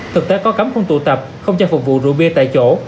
thực tế có cấm không tụ tập không cho phục vụ rượu bia tại chỗ